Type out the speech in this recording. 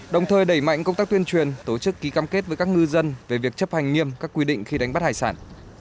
đồng thời đẩy mạnh công tác tuyên truyền tổ chức ký cam kết với các ngư dân về việc chấp hành nghiêm các quy định khi đánh bắt hải sản